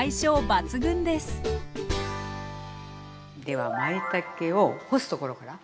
ではまいたけを干すところから。